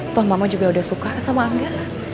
toh mama juga udah suka sama enggak